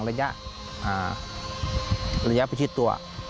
แล้วระยะประชิดตัว